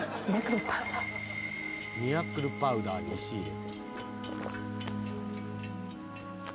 ミラクルパウダーに石入れて。